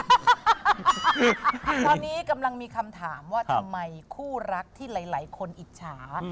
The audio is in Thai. ตอนนี้กำลังมีคำถามว่าทำไมคู่รักที่หลายคนอิจฉา